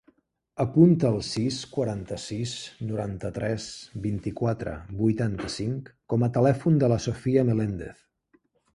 Apunta el sis, quaranta-sis, noranta-tres, vint-i-quatre, vuitanta-cinc com a telèfon de la Sophia Melendez.